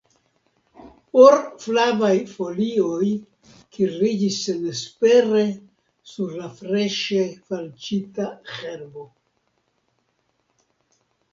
Or-flavaj folioj kirliĝis senespere sur la freŝe falĉita herbo.